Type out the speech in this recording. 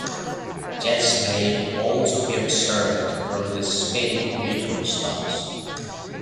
Jets may also be observed from spinning neutron stars.